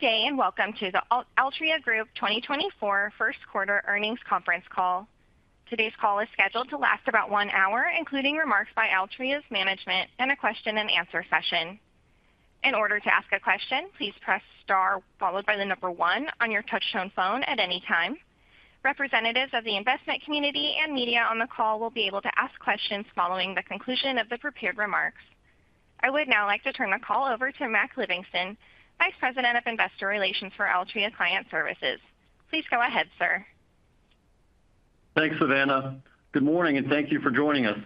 Good day, and welcome to the Altria Group 2024 first quarter earnings conference call. Today's call is scheduled to last about 1 hour, including remarks by Altria's management and a question and answer session. In order to ask a question, please press star followed by the number 1 on your touchtone phone at any time. Representatives of the investment community and media on the call will be able to ask questions following the conclusion of the prepared remarks. I would now like to turn the call over to Mac Livingston, Vice President of Investor Relations for Altria Client Services. Please go ahead, sir. Thanks, Savannah. Good morning, and thank you for joining us.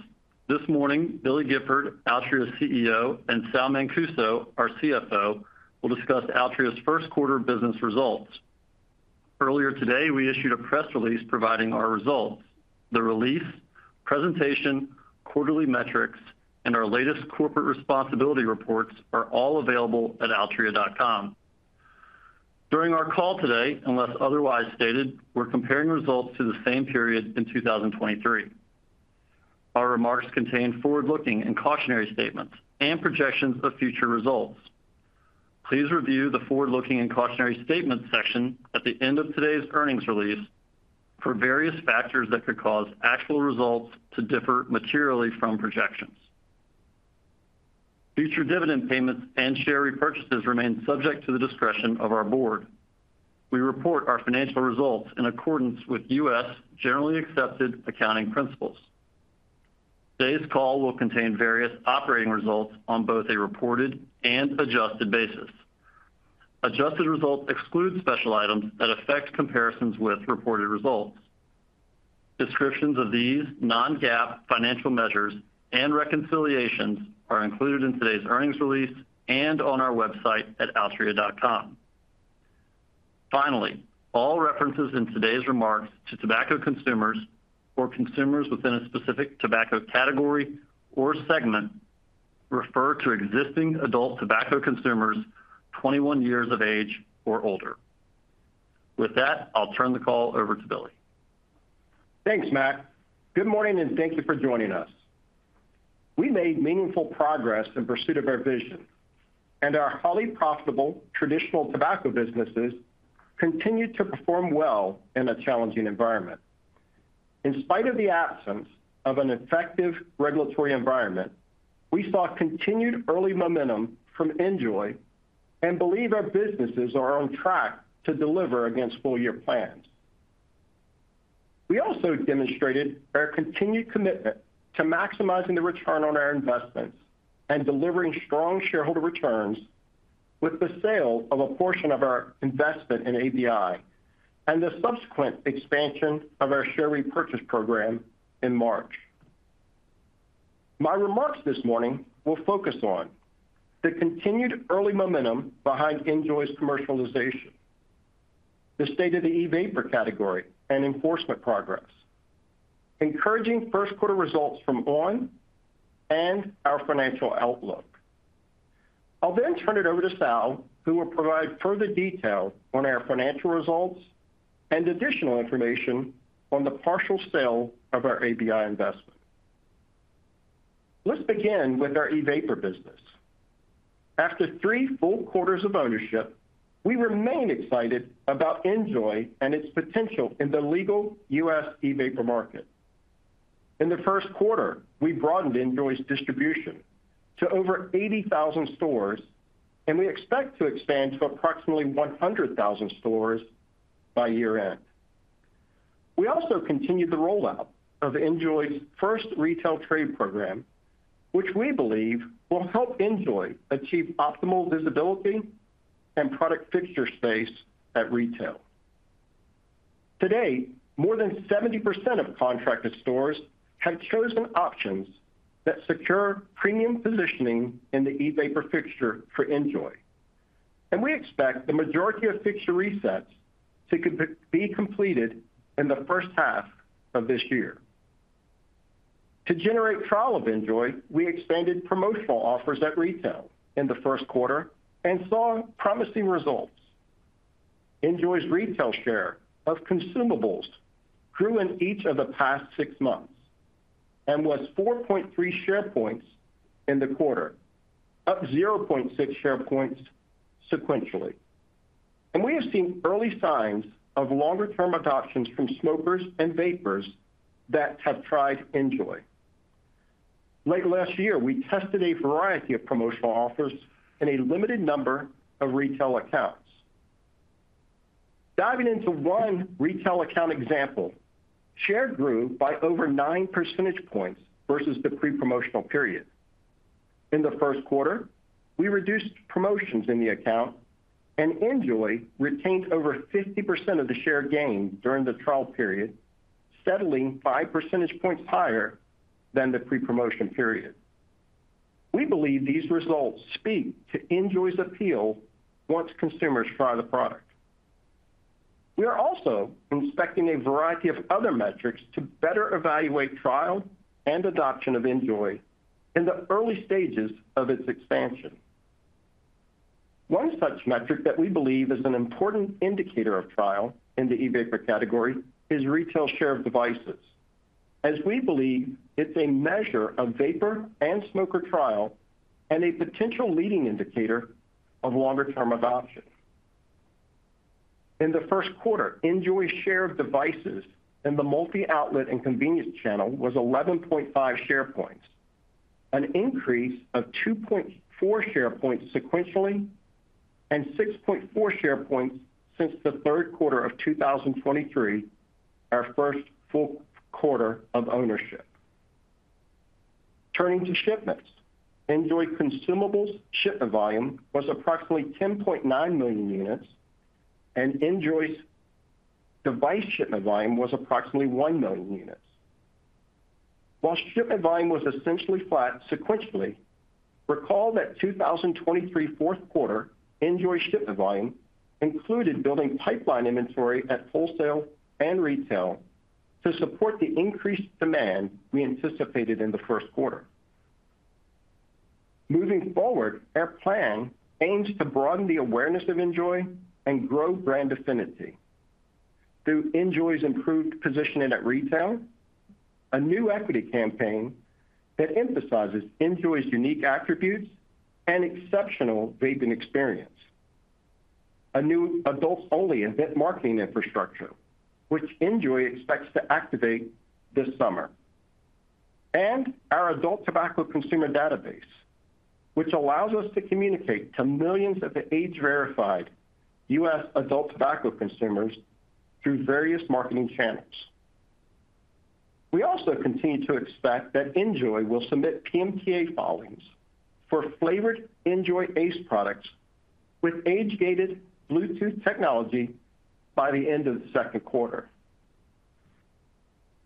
This morning, Billy Gifford, Altria's CEO, and Sal Mancuso, our CFO, will discuss Altria's first quarter business results. Earlier today, we issued a press release providing our results. The release, presentation, quarterly metrics, and our latest corporate responsibility reports are all available at altria.com. During our call today, unless otherwise stated, we're comparing results to the same period in 2023. Our remarks contain forward-looking and cautionary statements and projections of future results. Please review the forward-looking and cautionary statement section at the end of today's earnings release for various factors that could cause actual results to differ materially from projections. Future dividend payments and share repurchases remain subject to the discretion of our board. We report our financial results in accordance with U.S. generally accepted accounting principles. Today's call will contain various operating results on both a reported and adjusted basis. Adjusted results exclude special items that affect comparisons with reported results. Descriptions of these non-GAAP financial measures and reconciliations are included in today's earnings release and on our website at altria.com. Finally, all references in today's remarks to tobacco consumers or consumers within a specific tobacco category or segment, refer to existing adult tobacco consumers, 21 years of age or older. With that, I'll turn the call over to Billy. Thanks, Mac. Good morning, and thank you for joining us. We made meaningful progress in pursuit of our vision, and our highly profitable traditional tobacco businesses continued to perform well in a challenging environment. In spite of the absence of an effective regulatory environment, we saw continued early momentum from NJOY and believe our businesses are on track to deliver against full-year plans. We also demonstrated our continued commitment to maximizing the return on our investments and delivering strong shareholder returns with the sale of a portion of our investment in ABI and the subsequent expansion of our share repurchase program in March. My remarks this morning will focus on the continued early momentum behind NJOY's commercialization, the state of the e-vapor category and enforcement progress, encouraging first quarter results from on! and our financial outlook. I'll then turn it over to Sal, who will provide further detail on our financial results and additional information on the partial sale of our ABI investment. Let's begin with our e-vapor business. After three full quarters of ownership, we remain excited about NJOY and its potential in the legal U.S. e-vapor market. In the first quarter, we broadened NJOY's distribution to over 80,000 stores, and we expect to expand to approximately 100,000 stores by year-end. We also continued the rollout of NJOY's first retail trade program, which we believe will help NJOY achieve optimal visibility and product fixture space at retail. Today, more than 70% of contracted stores have chosen options that secure premium positioning in the e-vapor fixture for NJOY, and we expect the majority of fixture resets to be completed in the first half of this year. To generate trial of NJOY, we expanded promotional offers at retail in the first quarter and saw promising results. NJOY's retail share of consumables grew in each of the past 6 months and was 4.3 share points in the quarter, up 0.6 share points sequentially. We have seen early signs of longer-term adoptions from smokers and vapers that have tried NJOY. Late last year, we tested a variety of promotional offers in a limited number of retail accounts. Diving into one retail account example, share grew by over 9 percentage points versus the pre-promotional period. In the first quarter, we reduced promotions in the account, and NJOY retained over 50% of the share gain during the trial period, settling 5 percentage points higher than the pre-promotion period. We believe these results speak to NJOY's appeal once consumers try the product. We are also inspecting a variety of other metrics to better evaluate trial and adoption of NJOY in the early stages of its expansion. One such metric that we believe is an important indicator of trial in the e-vapor category is retail share of devices... as we believe it's a measure of vapor and smoker trial, and a potential leading indicator of longer-term adoption. In the first quarter, NJOY's share of devices in the multi-outlet and convenience channel was 11.5 share points, an increase of 2.4 share points sequentially, and 6.4 share points since the third quarter of 2023, our first full quarter of ownership. Turning to shipments, NJOY consumables shipment volume was approximately 10.9 million units, and NJOY's device shipment volume was approximately 1 million units. While shipment volume was essentially flat sequentially, recall that 2023 fourth quarter NJOY shipment volume included building pipeline inventory at wholesale and retail to support the increased demand we anticipated in the first quarter. Moving forward, our plan aims to broaden the awareness of NJOY and grow brand affinity through NJOY's improved positioning at retail, a new equity campaign that emphasizes NJOY's unique attributes and exceptional vaping experience, a new adult-only event marketing infrastructure, which NJOY expects to activate this summer, and our adult tobacco consumer database, which allows us to communicate to millions of age-verified U.S. adult tobacco consumers through various marketing channels. We also continue to expect that NJOY will submit PMTA filings for flavored NJOY ACE products with age-gated Bluetooth technology by the end of the second quarter.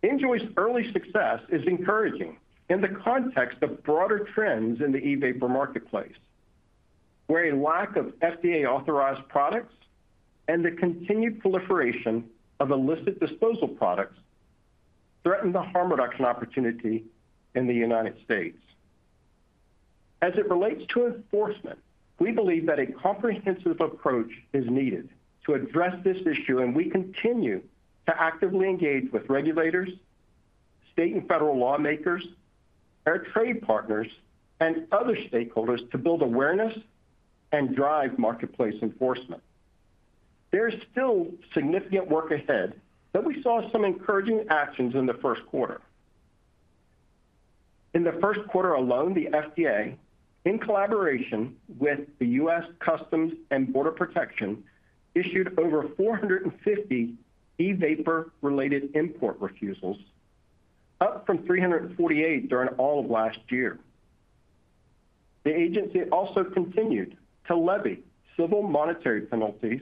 NJOY's early success is encouraging in the context of broader trends in the e-vapor marketplace, where a lack of FDA-authorized products and the continued proliferation of illicit disposable products threaten the harm reduction opportunity in the United States. As it relates to enforcement, we believe that a comprehensive approach is needed to address this issue, and we continue to actively engage with regulators, state and federal lawmakers, our trade partners, and other stakeholders to build awareness and drive marketplace enforcement. There is still significant work ahead, but we saw some encouraging actions in the first quarter. In the first quarter alone, the FDA, in collaboration with the U.S. Customs and Border Protection, issued over 450 e-vapor-related import refusals, up from 348 during all of last year. The agency also continued to levy civil monetary penalties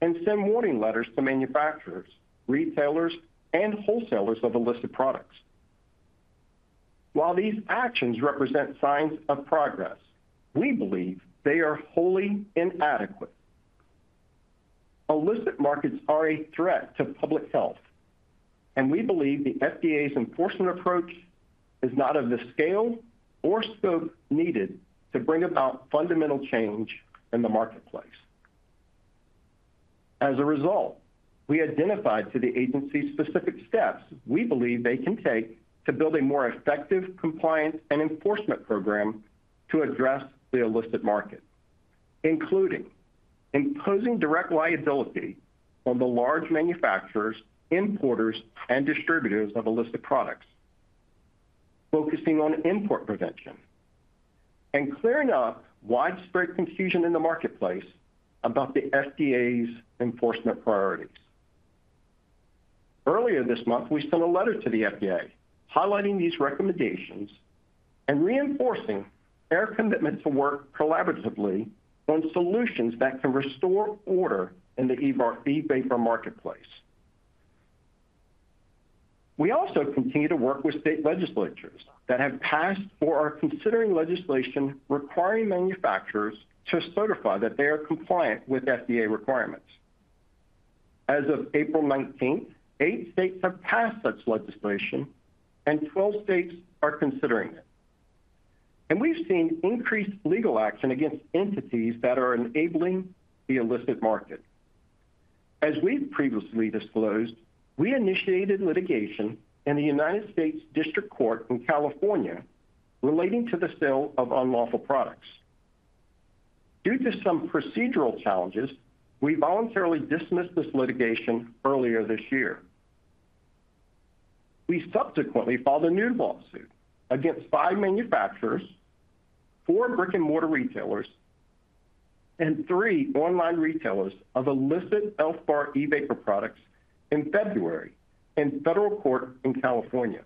and send warning letters to manufacturers, retailers, and wholesalers of illicit products. While these actions represent signs of progress, we believe they are wholly inadequate. Illicit markets are a threat to public health, and we believe the FDA's enforcement approach is not of the scale or scope needed to bring about fundamental change in the marketplace. As a result, we identified to the agency's specific steps we believe they can take to build a more effective compliance and enforcement program to address the illicit market, including imposing direct liability on the large manufacturers, importers, and distributors of illicit products. Focusing on import prevention, and clearing up widespread confusion in the marketplace about the FDA's enforcement priorities. Earlier this month, we sent a letter to the FDA highlighting these recommendations and reinforcing our commitment to work collaboratively on solutions that can restore order in the e-vapor marketplace. We also continue to work with state legislatures that have passed or are considering legislation requiring manufacturers to certify that they are compliant with FDA requirements. As of April 19, eight states have passed such legislation, and 12 states are considering it. We've seen increased legal action against entities that are enabling the illicit market. As we've previously disclosed, we initiated litigation in the United States District Court in California relating to the sale of unlawful products. Due to some procedural challenges, we voluntarily dismissed this litigation earlier this year. We subsequently filed a new lawsuit against 5 manufacturers, 4 brick-and-mortar retailers, and 3 online retailers of illicit Elf Bar e-vapor products in February in federal court in California.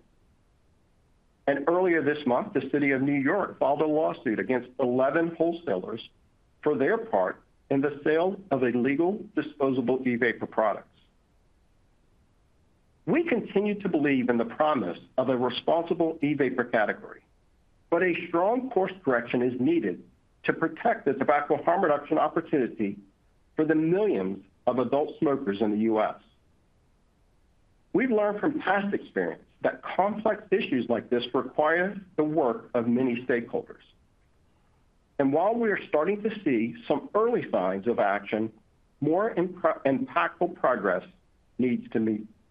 Earlier this month, the City of New York filed a lawsuit against 11 wholesalers for their part in the sale of illegal disposable e-vapor products. We continue to believe in the promise of a responsible e-vapor category, but a strong course correction is needed to protect the tobacco harm reduction opportunity for the millions of adult smokers in the U.S. We've learned from past experience that complex issues like this require the work of many stakeholders... While we are starting to see some early signs of action, more impactful progress needs to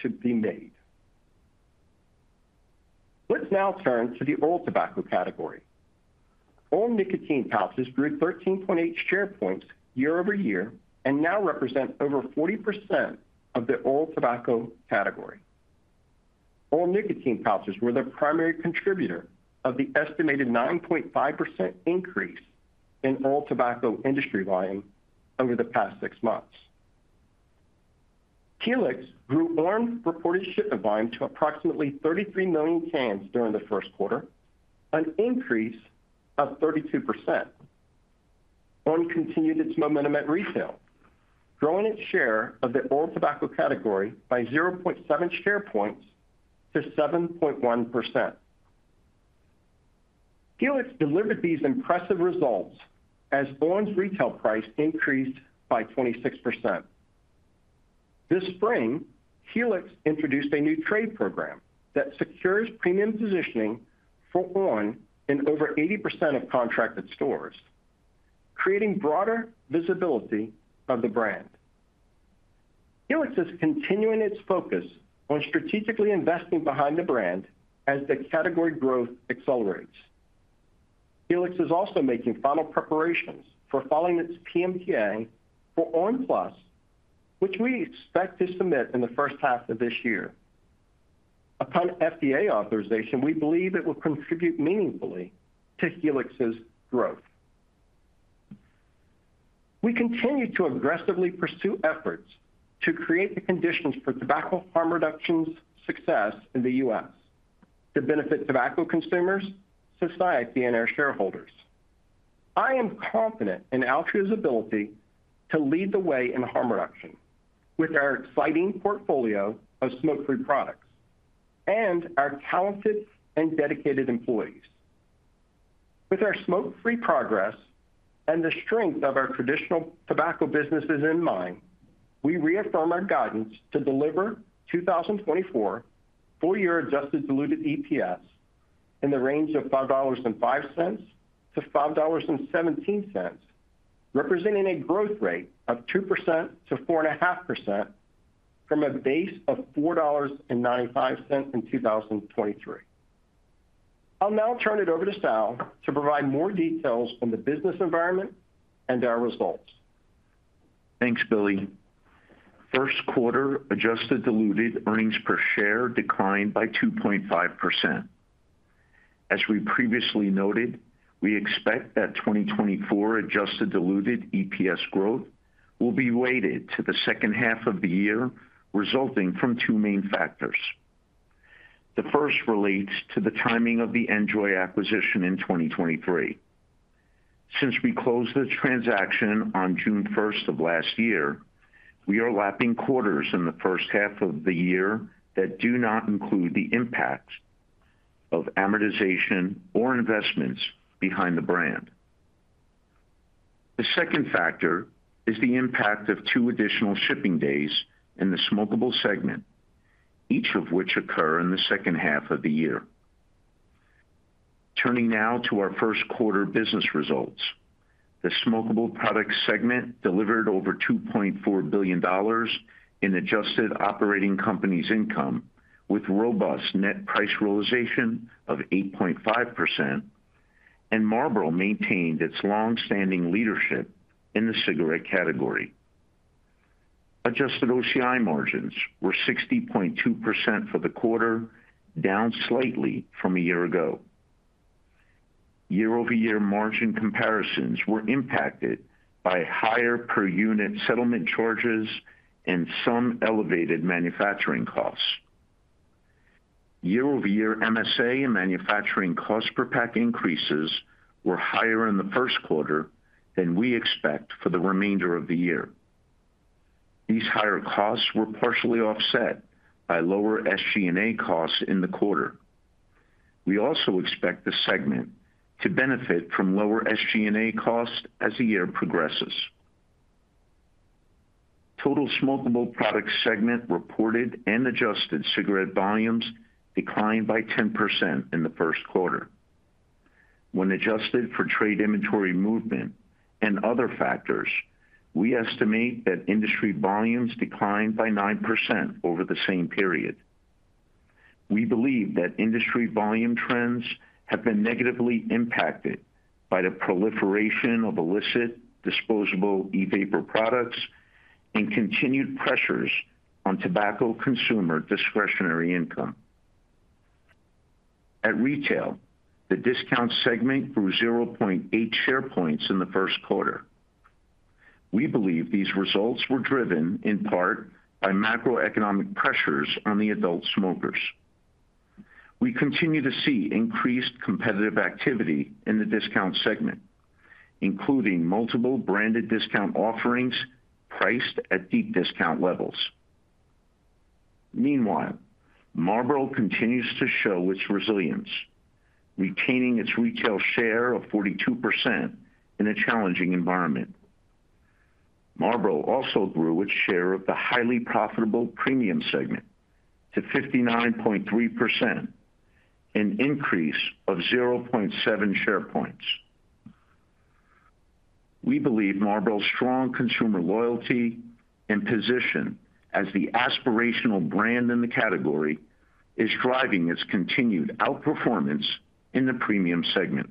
be made. Let's now turn to the oral tobacco category. Oral nicotine pouches grew 13.8 share points year-over-year, and now represent over 40% of the oral tobacco category. Oral nicotine pouches were the primary contributor of the estimated 9.5% increase in oral tobacco industry volume over the past six months. Helix grew on! reported shipment volume to approximately 33 million cans during the first quarter, an increase of 32%. on! continued its momentum at retail, growing its share of the oral tobacco category by 0.7 share points to 7.1%. Helix delivered these impressive results as on!'s retail price increased by 26%. This spring, Helix introduced a new trade program that secures premium positioning for on! in over 80% of contracted stores, creating broader visibility of the brand. Helix is continuing its focus on strategically investing behind the brand as the category growth accelerates. Helix is also making final preparations for filing its PMTA for on! PLUS, which we expect to submit in the first half of this year. Upon FDA authorization, we believe it will contribute meaningfully to Helix's growth. We continue to aggressively pursue efforts to create the conditions for tobacco harm reduction's success in the U.S., to benefit tobacco consumers, society, and our shareholders. I am confident in Altria's ability to lead the way in harm reduction with our exciting portfolio of smoke-free products and our talented and dedicated employees. With our smoke-free progress and the strength of our traditional tobacco businesses in mind, we reaffirm our guidance to deliver 2024 full-year adjusted diluted EPS in the range of $5.05 to $5.17, representing a growth rate of 2% to 4.5% from a base of $4.95 in 2023. I'll now turn it over to Sal to provide more details on the business environment and our results. Thanks, Billy. first quarter adjusted diluted earnings per share declined by 2.5%. As we previously noted, we expect that 2024 adjusted diluted EPS growth will be weighted to the second half of the year, resulting from two main factors. The first relates to the timing of the NJOY acquisition in 2023. Since we closed the transaction on June 1 of last year, we are lapping quarters in the first half of the year that do not include the impact of amortization or investments behind the brand. The second factor is the impact of two additional shipping days in the smokable segment, each of which occur in the second half of the year. Turning now to our first quarter business results. The smokable product segment delivered over $2.4 billion in adjusted operating companies income, with robust net price realization of 8.5%, and Marlboro maintained its long-standing leadership in the cigarette category. Adjusted OCI margins were 60.2% for the quarter, down slightly from a year ago. Year-over-year margin comparisons were impacted by higher per unit settlement charges and some elevated manufacturing costs. Year-over-year MSA and manufacturing cost per pack increases were higher in the first quarter than we expect for the remainder of the year. These higher costs were partially offset by lower SG&A costs in the quarter. We also expect the segment to benefit from lower SG&A costs as the year progresses. Total smokable product segment reported and adjusted cigarette volumes declined by 10% in the first quarter. When adjusted for trade inventory movement and other factors, we estimate that industry volumes declined by 9% over the same period. We believe that industry volume trends have been negatively impacted by the proliferation of illicit disposable e-vapor products and continued pressures on tobacco consumer discretionary income. At retail, the discount segment grew 0.8 share points in the first quarter. We believe these results were driven in part by macroeconomic pressures on the adult smokers. We continue to see increased competitive activity in the discount segment, including multiple branded discount offerings priced at deep discount levels. Meanwhile, Marlboro continues to show its resilience, retaining its retail share of 42% in a challenging environment.... Marlboro also grew its share of the highly profitable premium segment to 59.3%, an increase of 0.7 share points. We believe Marlboro's strong consumer loyalty and position as the aspirational brand in the category is driving its continued outperformance in the premium segment.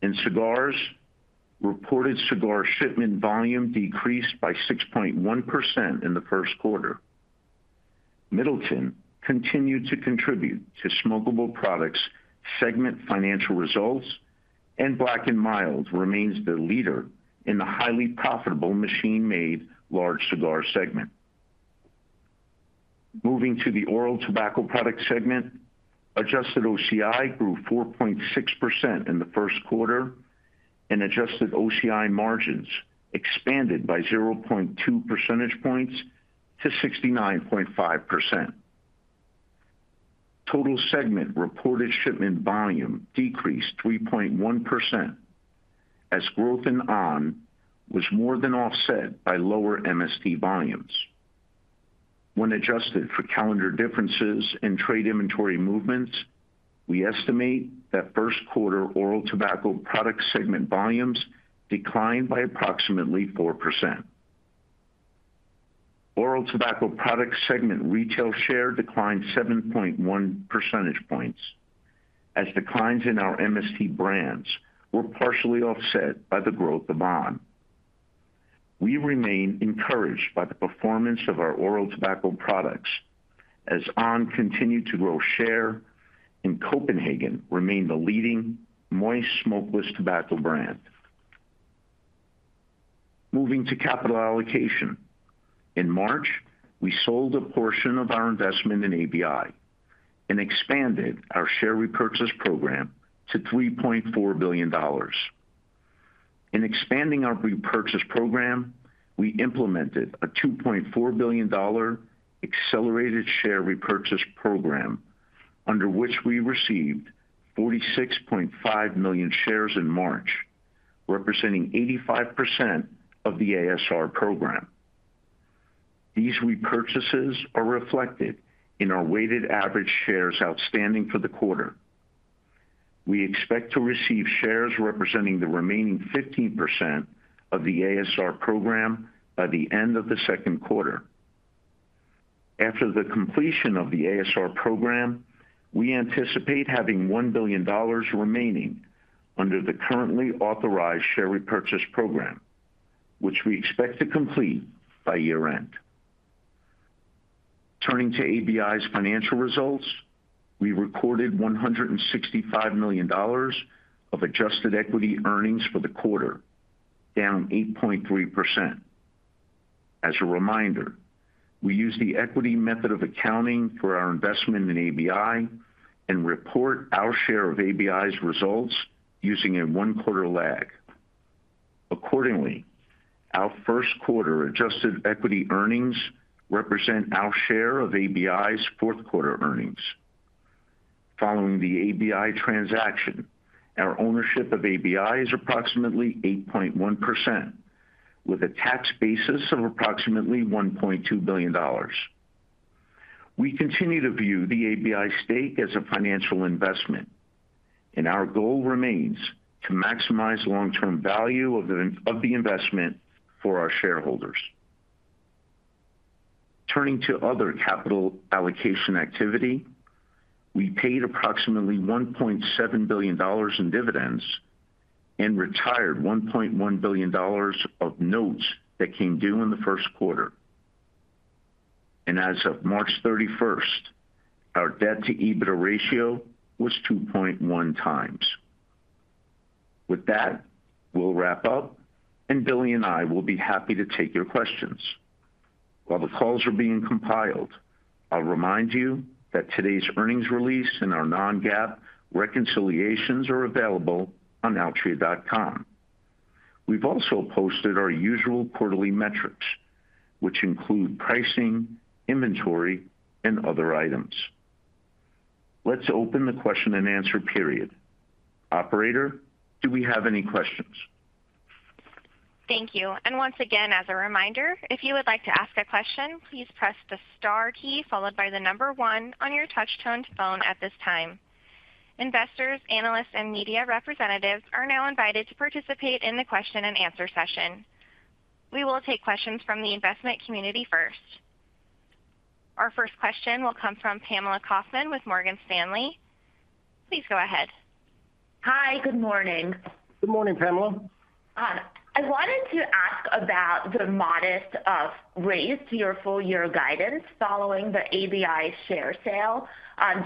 In cigars, reported cigar shipment volume decreased by 6.1% in the first quarter. Middleton continued to contribute to smokable products segment financial results, and Black & Mild remains the leader in the highly profitable machine-made large cigar segment. Moving to the oral tobacco product segment, Adjusted OCI grew 4.6% in the first quarter, and Adjusted OCI margins expanded by 0.2 percentage points to 69.5%. Total segment reported shipment volume decreased 3.1%, as growth in on! was more than offset by lower MST volumes. When adjusted for calendar differences and trade inventory movements, we estimate that first quarter oral tobacco product segment volumes declined by approximately 4%. Oral tobacco product segment retail share declined 7.1 percentage points, as declines in our MST brands were partially offset by the growth of on!. We remain encouraged by the performance of our oral tobacco products as on! continued to grow share, and Copenhagen remained the leading moist smokeless tobacco brand. Moving to capital allocation. In March, we sold a portion of our investment in ABI and expanded our share repurchase program to $3.4 billion. In expanding our repurchase program, we implemented a $2.4 billion accelerated share repurchase program, under which we received 46.5 million shares in March, representing 85% of the ASR program. These repurchases are reflected in our weighted average shares outstanding for the quarter. We expect to receive shares representing the remaining 15% of the ASR program by the end of the second quarter. After the completion of the ASR program, we anticipate having $1 billion remaining under the currently authorized share repurchase program, which we expect to complete by year-end. Turning to ABI's financial results, we recorded $165 million of adjusted equity earnings for the quarter, down 8.3%. As a reminder, we use the equity method of accounting for our investment in ABI and report our share of ABI's results using a one-quarter lag. Accordingly, our first quarter adjusted equity earnings represent our share of ABI's fourth quarter earnings. Following the ABI transaction, our ownership of ABI is approximately 8.1%, with a tax basis of approximately $1.2 billion. We continue to view the ABI stake as a financial investment, and our goal remains to maximize long-term value of the investment for our shareholders. Turning to other capital allocation activity, we paid approximately $1.7 billion in dividends and retired $1.1 billion of notes that came due in the first quarter. As of March 31, our debt-to-EBITDA ratio was 2.1 times. With that, we'll wrap up, and Billy and I will be happy to take your questions. While the calls are being compiled, I'll remind you that today's earnings release and our non-GAAP reconciliations are available on altria.com. We've also posted our usual quarterly metrics, which include pricing, inventory, and other items. Let's open the question-and-answer period. Operator, do we have any questions? Thank you. And once again, as a reminder, if you would like to ask a question, please press the star key followed by the number one on your touchtone phone at this time. Investors, analysts, and media representatives are now invited to participate in the question-and-answer session. We will take questions from the investment community first. Our first question will come from Pamela Kaufman with Morgan Stanley. Please go ahead. Hi, good morning. Good morning, Pamela. I wanted to ask about the modest raise to your full-year guidance following the ABI share sale.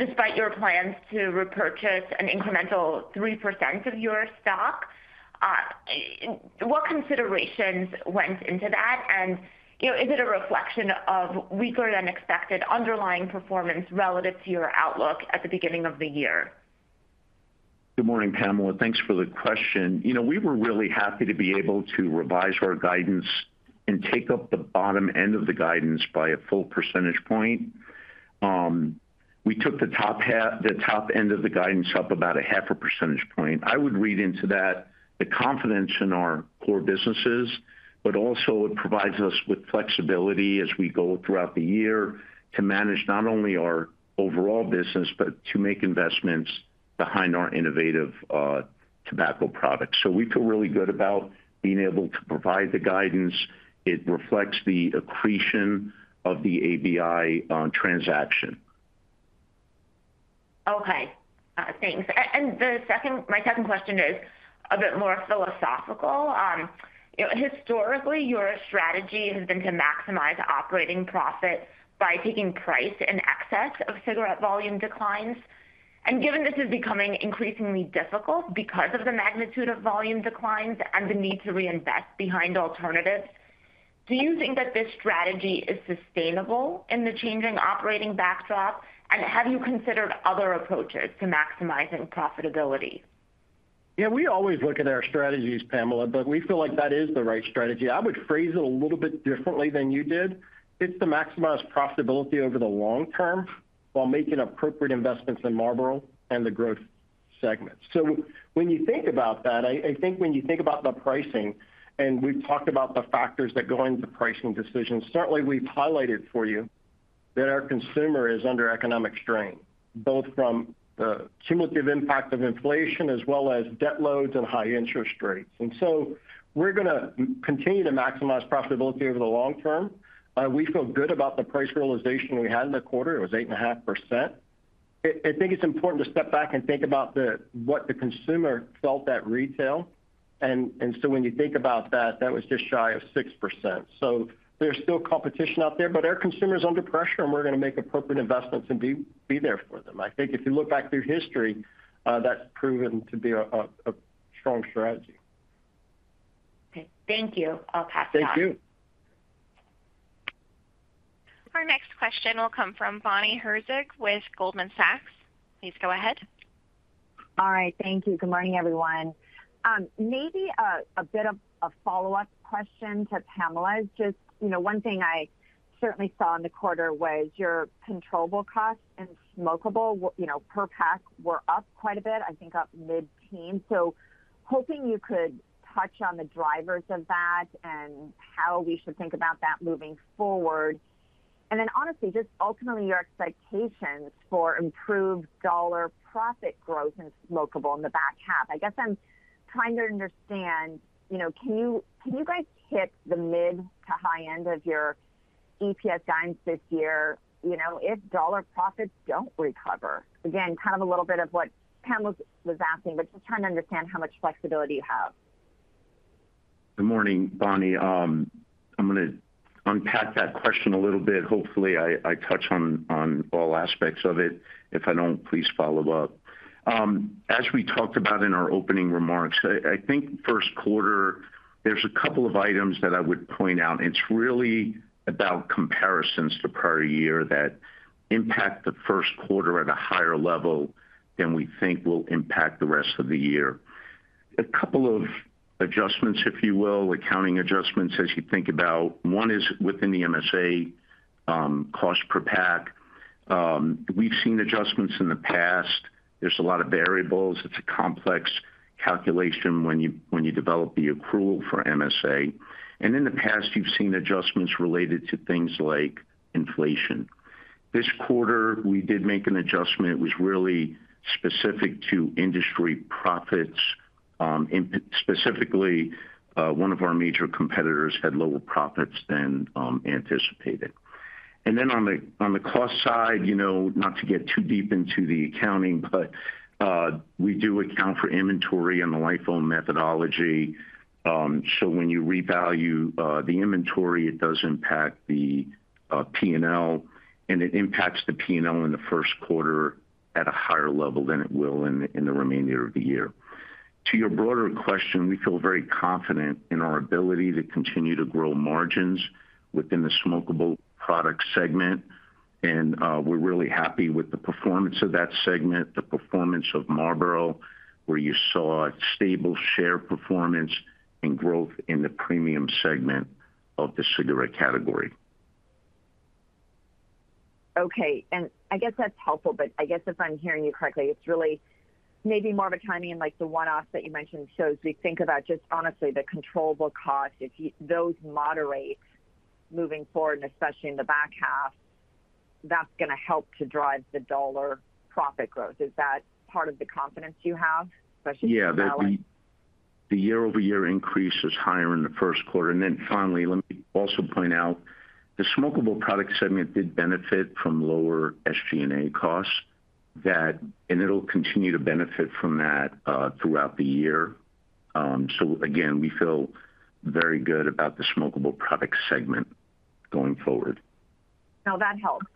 Despite your plans to repurchase an incremental 3% of your stock, what considerations went into that? And, you know, is it a reflection of weaker than expected underlying performance relative to your outlook at the beginning of the year? Good morning, Pamela. Thanks for the question. You know, we were really happy to be able to revise our guidance and take up the bottom end of the guidance by a full percentage point. We took the top half, the top end of the guidance up about a half a percentage point. I would read into that the confidence in our core businesses, but also it provides us with flexibility as we go throughout the year to manage not only our overall business, but to make investments behind our innovative, tobacco products. So we feel really good about being able to provide the guidance. It reflects the accretion of the ABI, transaction. Okay, thanks. And my second question is a bit more philosophical. Historically, your strategy has been to maximize operating profits by taking price in excess of cigarette volume declines. And given this is becoming increasingly difficult because of the magnitude of volume declines and the need to reinvest behind alternatives, do you think that this strategy is sustainable in the changing operating backdrop? And have you considered other approaches to maximizing profitability? Yeah, we always look at our strategies, Pamela, but we feel like that is the right strategy. I would phrase it a little bit differently than you did. It's to maximize profitability over the long term while making appropriate investments in Marlboro and the growth segments. So when you think about that, I, I think when you think about the pricing, and we've talked about the factors that go into the pricing decisions, certainly we've highlighted for you that our consumer is under economic strain, both from the cumulative impact of inflation as well as debt loads and high interest rates. And so we're gonna continue to maximize profitability over the long term. We feel good about the price realization we had in the quarter, it was 8.5%. I think it's important to step back and think about what the consumer felt at retail. And so when you think about that, that was just shy of 6%. So there's still competition out there, but our consumer is under pressure, and we're going to make appropriate investments and be there for them. I think if you look back through history, that's proven to be a strong strategy. Okay. Thank you. I'll pass it on. Thank you. Our next question will come from Bonnie Herzog with Goldman Sachs. Please go ahead. All right, thank you. Good morning, everyone. Maybe a bit of a follow-up question to Pamela. Just, you know, one thing I certainly saw in the quarter was your controllable costs and smokable, you know, per pack, were up quite a bit, I think up mid-teens. So hoping you could touch on the drivers of that and how we should think about that moving forward. And then honestly, just ultimately, your expectations for improved dollar profit growth in smokable in the back half. I guess I'm trying to understand, you know, can you, can you guys hit the mid to high end of your EPS guidance this year? You know, if dollar profits don't recover. Again, kind of a little bit of what Pamela was asking, but just trying to understand how much flexibility you have. Good morning, Bonnie. I'm going to unpack that question a little bit. Hopefully, I touch on all aspects of it. If I don't, please follow up. As we talked about in our opening remarks, I think first quarter, there's a couple of items that I would point out. It's really about comparisons to prior year that impact the first quarter at a higher level than we think will impact the rest of the year. A couple of adjustments, if you will, accounting adjustments, as you think about. One is within the MSA, cost per pack. We've seen adjustments in the past. There's a lot of variables. It's a complex calculation when you develop the accrual for MSA. And in the past, you've seen adjustments related to things like inflation. This quarter, we did make an adjustment; it was really specific to industry profits, and specifically, one of our major competitors had lower profits than anticipated. And then on the cost side, you know, not to get too deep into the accounting, but, we do account for inventory and the LIFO methodology. So when you revalue the inventory, it does impact the P&L, and it impacts the P&L in the first quarter at a higher level than it will in the remaining year of the year. To your broader question, we feel very confident in our ability to continue to grow margins within the smokable product segment, and we're really happy with the performance of that segment, the performance of Marlboro, where you saw a stable share performance and growth in the premium segment of the cigarette category. Okay, and I guess that's helpful, but I guess if I'm hearing you correctly, it's really maybe more of a timing, and like the one-off that you mentioned. So as we think about just honestly the controllable cost, if those moderate moving forward, and especially in the back half, that's going to help to drive the dollar profit growth. Is that part of the confidence you have, especially- Yeah, the year-over-year increase is higher in the first quarter. And then finally, let me also point out, the smokable product segment did benefit from lower SG&A costs, that and it'll continue to benefit from that throughout the year. So again, we feel very good about the smokable product segment going forward. No, that helps.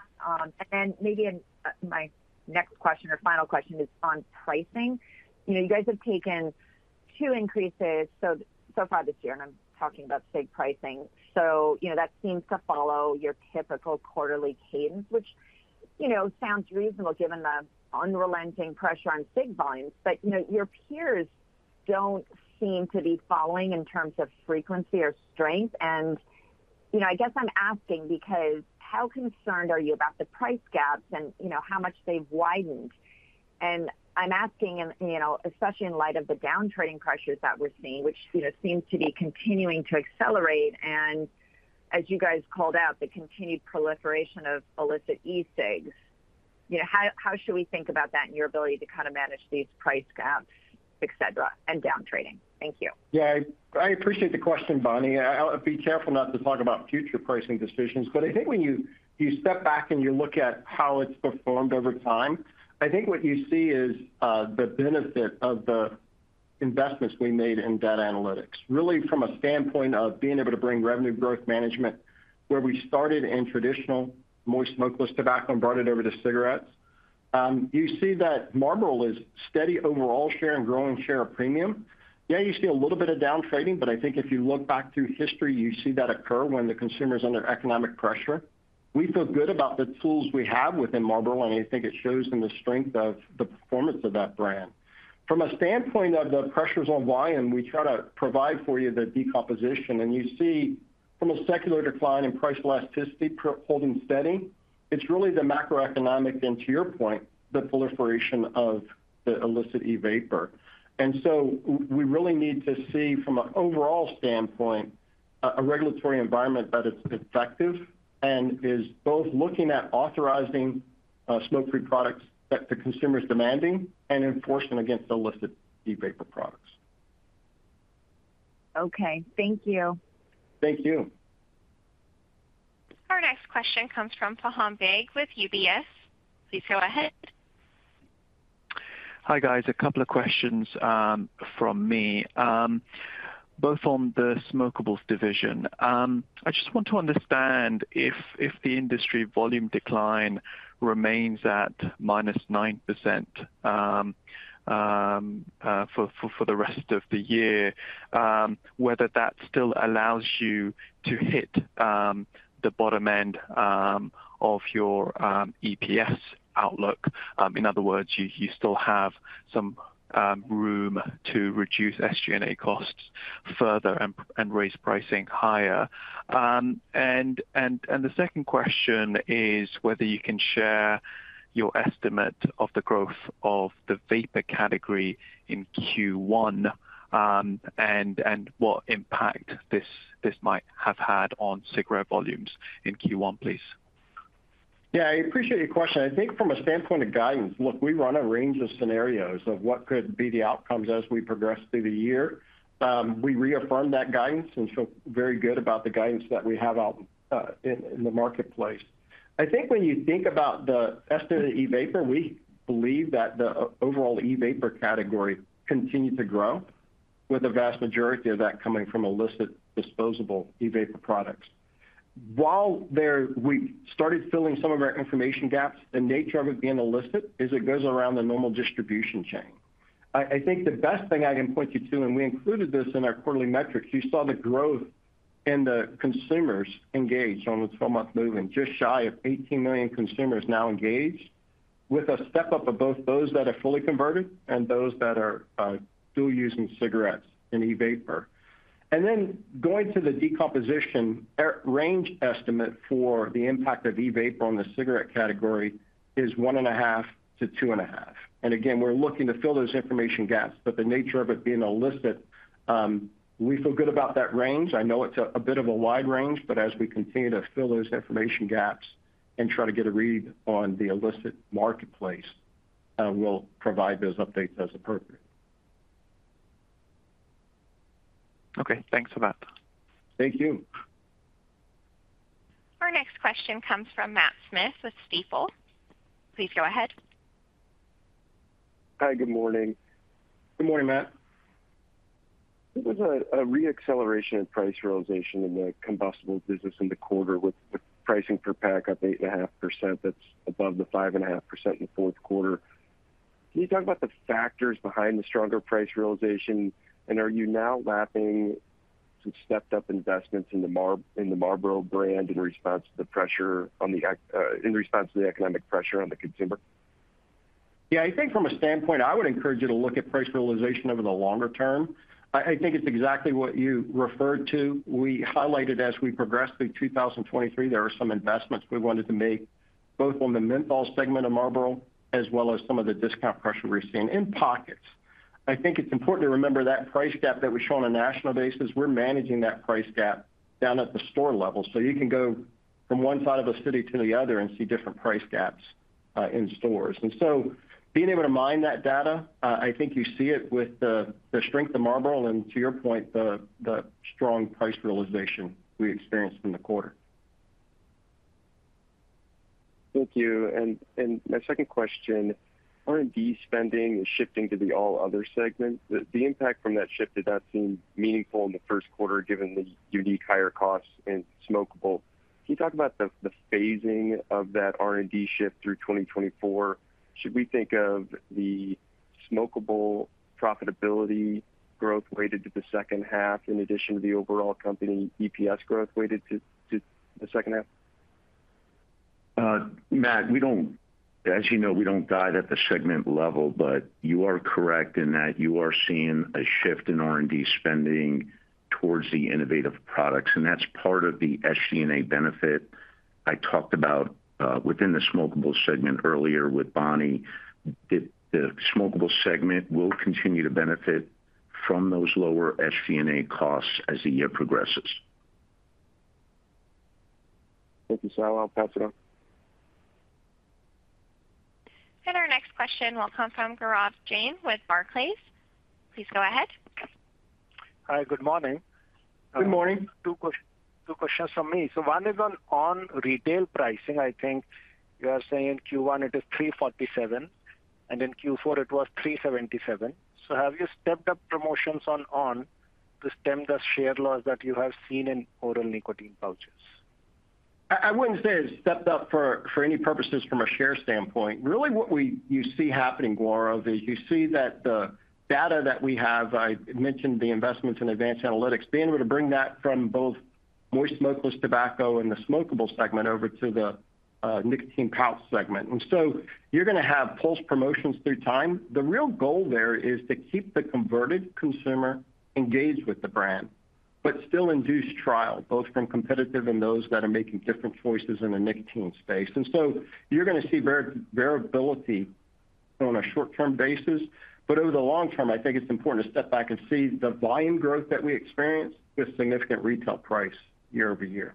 And then maybe in my next question or final question is on pricing. You know, you guys have taken two increases, so far this year, and I'm talking about cig pricing. So, you know, that seems to follow your typical quarterly cadence, which, you know, sounds reasonable given the unrelenting pressure on cig volumes. But, you know, your peers don't seem to be following in terms of frequency or strength, and you know, I guess I'm asking because how concerned are you about the price gaps and, you know, how much they've widened? And I'm asking and, you know, especially in light of the down trading pressures that we're seeing, which, you know, seems to be continuing to accelerate, and as you guys called out, the continued proliferation of illicit e-cigs. You know, how should we think about that and your ability to kind of manage these price gaps, et cetera, and down trading? Thank you. Yeah, I appreciate the question, Bonnie. I'll be careful not to talk about future pricing decisions, but I think when you step back and you look at how it's performed over time, I think what you see is the benefit of the investments we made in data analytics, really from a standpoint of being able to bring revenue growth management where we started in traditional moist, smokeless tobacco and brought it over to cigarettes. You see that Marlboro is steady overall share and growing share of premium. Yeah, you see a little bit of down trading, but I think if you look back through history, you see that occur when the consumer's under economic pressure. We feel good about the tools we have within Marlboro, and I think it shows in the strength of the performance of that brand. From a standpoint of the pressures on volume, we try to provide for you the decomposition, and you see from a secular decline in price elasticity holding steady, it's really the macroeconomic, then to your point, the proliferation of the illicit e-vapor. And so we really need to see from an overall standpoint, a regulatory environment that is effective and is both looking at authorizing smoke-free products that the consumer is demanding and enforcement against illicit e-vapor products. Okay, thank you. Thank you. Our next question comes from Faham Baig with UBS. Please go ahead. Hi, guys, a couple of questions from me, both on the smokables division. I just want to understand if the industry volume decline remains at -9% for the rest of the year, whether that still allows you to hit the bottom end of your EPS outlook. In other words, you still have some room to reduce SG&A costs further and raise pricing higher. And the second question is whether you can share your estimate of the growth of the vapor category in Q1, and what impact this might have had on cigarette volumes in Q1, please? Yeah, I appreciate your question. I think from a standpoint of guidance, look, we run a range of scenarios of what could be the outcomes as we progress through the year. We reaffirm that guidance and feel very good about the guidance that we have out in the marketplace. I think when you think about the estimate of e-vapor, we believe that the overall e-vapor category continued to grow, with the vast majority of that coming from illicit disposable e-vapor products. While there, we started filling some of our information gaps, the nature of it being illicit is it goes around the normal distribution chain. I think the best thing I can point you to, and we included this in our quarterly metrics. You saw the growth in the consumers engaged on a twelve-month moving, just shy of 18 million consumers now engaged, with a step-up of both those that are fully converted and those that are still using cigarettes and e-vapor. And then going to the decomposition, our range estimate for the impact of e-vapor on the cigarette category is 1.5-2.5. And again, we're looking to fill those information gaps, but the nature of it being illicit, we feel good about that range. I know it's a bit of a wide range, but as we continue to fill those information gaps and try to get a read on the illicit marketplace, we'll provide those updates as appropriate. Okay, thanks for that. Thank you. Our next question comes from Matt Smith with Stifel. Please go ahead. Hi, good morning. Good morning, Matt. There was a re-acceleration in price realization in the combustible business in the quarter, with the pricing per pack up 8.5%, that's above the 5.5% in the fourth quarter. Can you talk about the factors behind the stronger price realization, and are you now lapping some stepped up investments in the Marlboro brand in response to the economic pressure on the consumer? Yeah, I think from a standpoint, I would encourage you to look at price realization over the longer term. I, I think it's exactly what you referred to. We highlighted as we progressed through 2023, there were some investments we wanted to make, both on the menthol segment of Marlboro, as well as some of the discount pressure we're seeing in pockets. I think it's important to remember that price gap that we show on a national basis, we're managing that price gap down at the store level, so you can go from one side of the city to the other and see different price gaps in stores. And so being able to mine that data, I think you see it with the, the strength of Marlboro, and to your point, the, the strong price realization we experienced in the quarter. Thank you. My second question, R&D spending is shifting to the all other segment. The impact from that shift, did that seem meaningful in the first quarter, given the unique higher costs in smokable? Can you talk about the phasing of that R&D shift through 2024? Should we think of the smokable profitability growth weighted to the second half, in addition to the overall company EPS growth weighted to the second half? Matt, we don't, as you know, we don't guide at the segment level, but you are correct in that you are seeing a shift in R&D spending towards the innovative products, and that's part of the SG&A benefit I talked about within the smokable segment earlier with Bonnie. The smokable segment will continue to benefit from those lower SG&A costs as the year progresses. Thank you, Sal. I'll pass it on. Our next question will come from Gaurav Jain with Barclays. Please go ahead. Hi, good morning. Good morning. Two questions from me. One is on retail pricing. I think you are saying in Q1 it is $3.47, and in Q4 it was $3.77. Have you stepped up promotions on on! to stem the share loss that you have seen in oral nicotine pouches? I wouldn't say it stepped up for any purposes from a share standpoint. Really what you see happening, Gaurav, is you see that the data that we have. I mentioned the investments in advanced analytics, being able to bring that from both moist smokeless tobacco and the smokable segment over to the nicotine pouch segment. And so you're going to have pulse promotions through time. The real goal there is to keep the converted consumer engaged with the brand, but still induce trial, both from competitive and those that are making different choices in the nicotine space. And so you're going to see variability on a short-term basis, but over the long term, I think it's important to step back and see the volume growth that we experience with significant retail price year-over-year.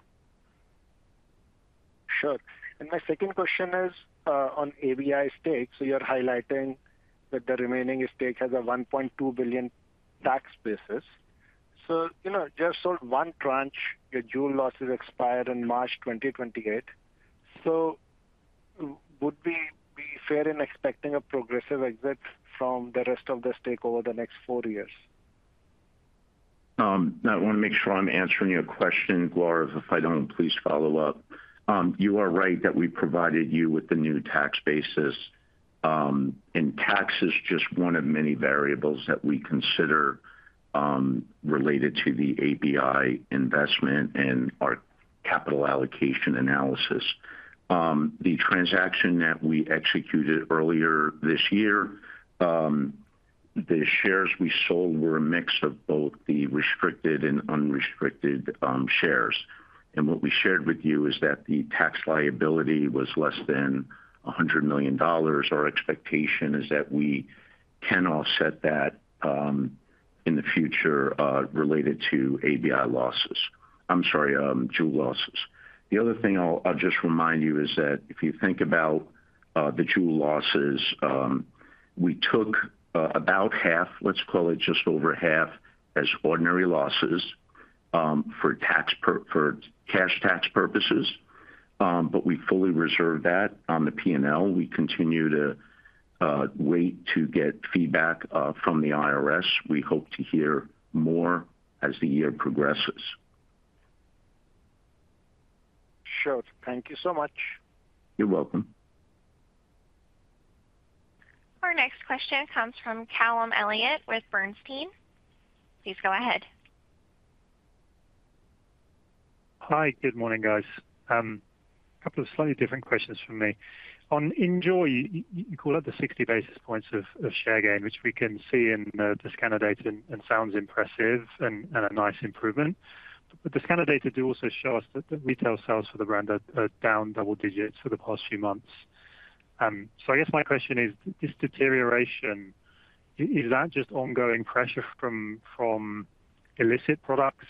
Sure. And my second question is on ABI stake. So you're highlighting that the remaining stake has a $1.2 billion tax basis. So, you know, just sold one tranche, your Juul losses expired in March 2028. So would we be fair in expecting a progressive exit from the rest of the stake over the next four years? I want to make sure I'm answering your question, Gaurav. If I don't, please follow up. You are right that we provided you with the new tax basis, and tax is just one of many variables that we consider, related to the ABI investment and our capital allocation analysis. The transaction that we executed earlier this year, the shares we sold were a mix of both the restricted and unrestricted shares. What we shared with you is that the tax liability was less than $100 million. Our expectation is that we can offset that in the future, related to ABI losses. I'm sorry, Juul losses. The other thing I'll just remind you is that if you think about the Juul losses, we took about half, let's call it just over half, as ordinary losses, for cash tax purposes, but we fully reserved that on the P&L. We continue to wait to get feedback from the IRS. We hope to hear more as the year progresses. Sure. Thank you so much. You're welcome. Our next question comes from Callum Elliott with Bernstein. Please go ahead. Hi, good morning, guys. A couple of slightly different questions from me. On NJOY, you call it the 60 basis points of share gain, which we can see in the scan data and sounds impressive and a nice improvement. But the scan data do also show us that the retail sales for the brand are down double digits for the past few months. So I guess my question is, this deterioration, is that just ongoing pressure from illicit products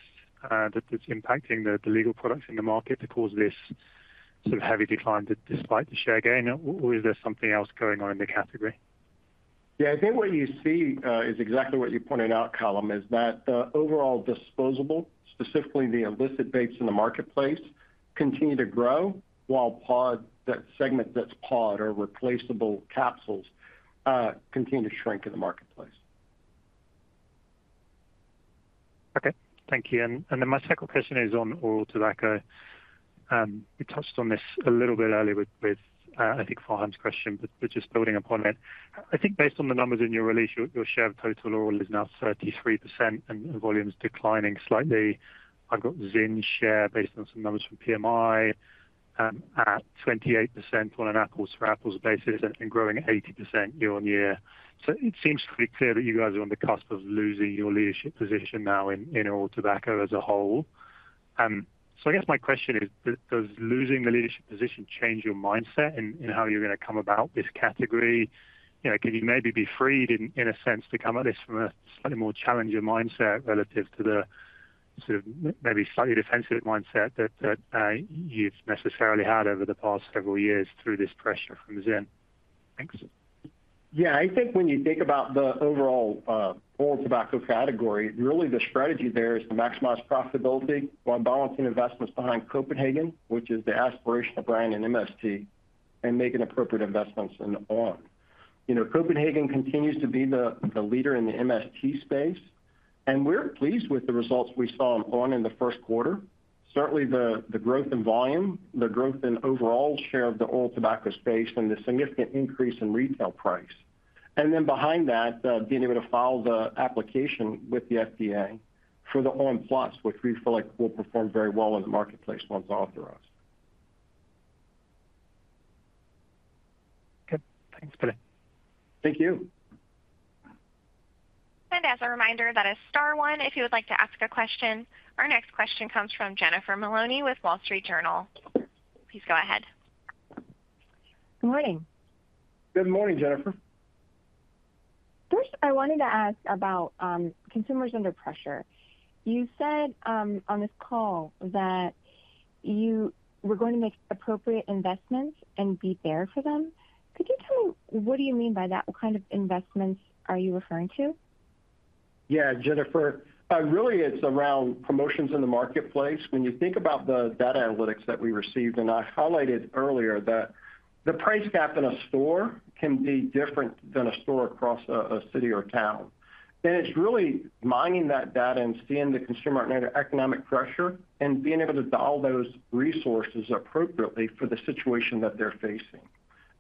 that is impacting the legal products in the market to cause this sort of heavy decline despite the share gain, or is there something else going on in the category? Yeah, I think what you see is exactly what you pointed out, Callum, is that the overall disposable, specifically the illicit vapes in the marketplace, continue to grow, while pod, that segment that's pod or replaceable capsules, continue to shrink in the marketplace. Okay, thank you. And then my second question is on oral tobacco. You touched on this a little bit earlier with, with I think Faham's question, but just building upon it. I think based on the numbers in your release, your share of total oral is now 33% and the volume is declining slightly. I've got ZYN share based on some numbers from PMI at 28% on an apples-to-apples basis and growing at 80% year-on-year. So it seems pretty clear that you guys are on the cusp of losing your leadership position now in oral tobacco as a whole. So I guess my question is, does losing the leadership position change your mindset in how you're going to come about this category? You know, can you maybe be freed in a sense to come at this from a slightly more challenger mindset relative to the sort of maybe slightly defensive mindset that you've necessarily had over the past several years through this pressure from ZYN? Thanks. Yeah, I think when you think about the overall oral tobacco category, really the strategy there is to maximize profitability while balancing investments behind Copenhagen, which is the aspirational brand in MST, and making appropriate investments in on! You know, Copenhagen continues to be the leader in the MST space, and we're pleased with the results we saw on! in the first quarter. Certainly, the growth in volume, the growth in overall share of the oral tobacco space, and the significant increase in retail price. And then behind that, being able to file the application with the FDA for the on!, which we feel like will perform very well in the marketplace once authorized. Okay, thanks Billy. Thank you. As a reminder, that is star one if you would like to ask a question. Our next question comes from Jennifer Maloney with The Wall Street Journal. Please go ahead. Good morning. Good morning, Jennifer. First, I wanted to ask about consumers under pressure. You said on this call that you were going to make appropriate investments and be there for them. Could you tell me what do you mean by that? What kind of investments are you referring to? Yeah, Jennifer, really, it's around promotions in the marketplace. When you think about the data analytics that we received, and I highlighted earlier that the price gap in a store can be different than a store across a city or town. And it's really mining that data and seeing the consumer under economic pressure and being able to dial those resources appropriately for the situation that they're facing.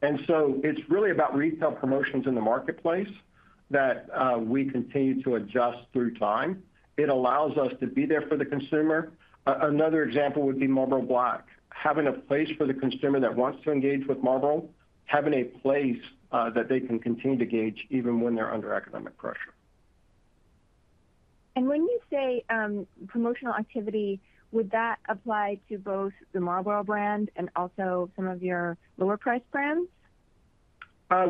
And so it's really about retail promotions in the marketplace that we continue to adjust through time. It allows us to be there for the consumer. Another example would be Marlboro Black. Having a place for the consumer that wants to engage with Marlboro, having a place that they can continue to engage even when they're under economic pressure. When you say promotional activity, would that apply to both the Marlboro brand and also some of your lower-priced brands?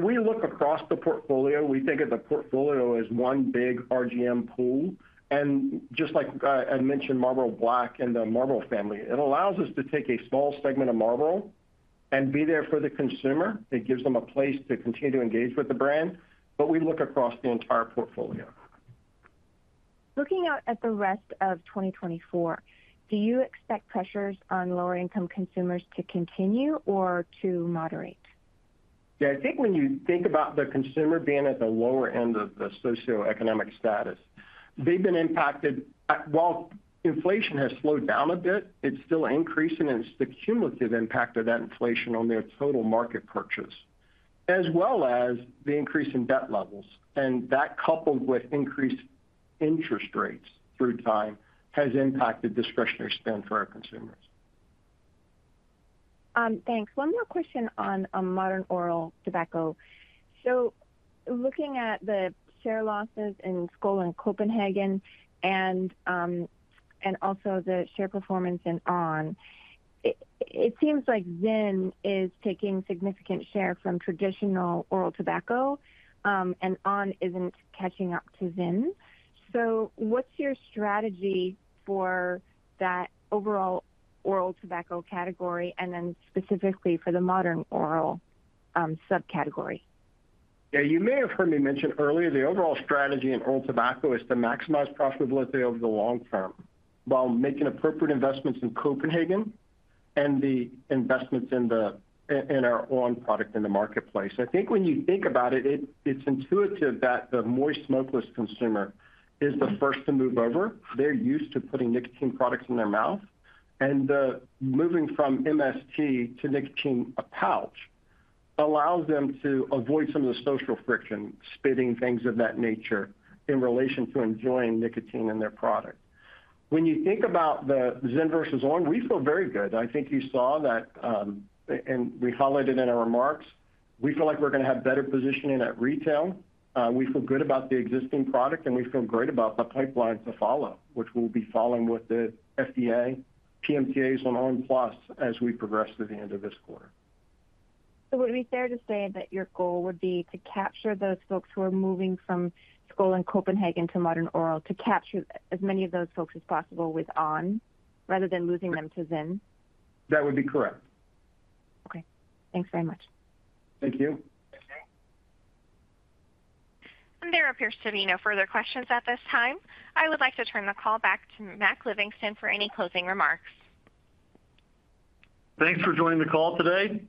We look across the portfolio. We think of the portfolio as one big RGM pool, and just like, I mentioned Marlboro Black and the Marlboro family, it allows us to take a small segment of Marlboro and be there for the consumer. It gives them a place to continue to engage with the brand, but we look across the entire portfolio. Looking out at the rest of 2024, do you expect pressures on lower-income consumers to continue or to moderate? Yeah, I think when you think about the consumer being at the lower end of the socioeconomic status, they've been impacted. While inflation has slowed down a bit, it's still increasing, and it's the cumulative impact of that inflation on their total market purchase, as well as the increase in debt levels. And that, coupled with increased interest rates through time, has impacted discretionary spend for our consumers. Thanks. One more question on modern oral tobacco. So looking at the share losses in Skoal and Copenhagen and also the share performance in on!, it seems like ZYN is taking significant share from traditional oral tobacco, and on! isn't catching up to ZYN. So what's your strategy for that overall oral tobacco category and then specifically for the modern oral subcategory? Yeah. You may have heard me mention earlier, the overall strategy in oral tobacco is to maximize profitability over the long term, while making appropriate investments in Copenhagen and the investments in our on! product in the marketplace. I think when you think about it, it's intuitive that the moist smokeless consumer is the first to move over. They're used to putting nicotine products in their mouth, and moving from MST to nicotine pouch allows them to avoid some of the social friction, spitting, things of that nature, in relation to enjoying nicotine in their product. When you think about the ZYN versus on!, we feel very good. I think you saw that, and we highlighted in our remarks, we feel like we're going to have better positioning at retail. We feel good about the existing product, and we feel great about the pipeline to follow, which we'll be following with the FDA, PMTAs on on! PLUS as we progress to the end of this quarter. So would it be fair to say that your goal would be to capture those folks who are moving from Skoal and Copenhagen to modern oral, to capture as many of those folks as possible with on! rather than losing them to ZYN? That would be correct. Okay, thanks very much. Thank you. There appears to be no further questions at this time. I would like to turn the call back to Mac Livingston for any closing remarks. Thanks for joining the call today.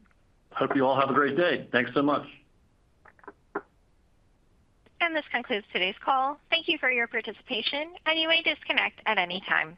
Hope you all have a great day. Thanks so much. This concludes today's call. Thank you for your participation, and you may disconnect at any time.